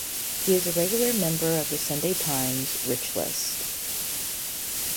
He is a regular member of the Sunday Times Rich List.